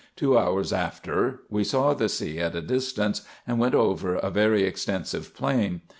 Two hours after, we saw the sea at a distance, and went over a very extensive plain.